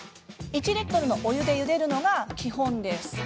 １リットルのお湯でゆでるのが基本です。